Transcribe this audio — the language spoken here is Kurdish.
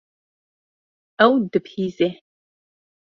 Ew dibihîze.